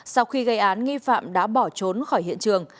sau khi gây án nghi phạm đã bỏ trốn khỏi hiện trường